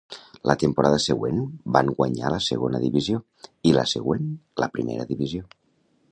La temporada següent van guanyar la Segona Divisió i, la següent, la Primera Divisió.